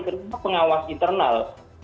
karena pengawas internal